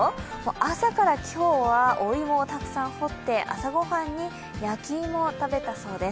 朝から今日はお芋をたくさん掘って、朝ご飯に焼き芋を食べたそうです